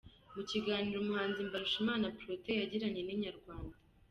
Mu kiganiro umuhanzi Mbarushimana Protais yagiranye na Inyarwanda.